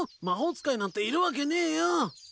魔法使いなんているわけねえよ。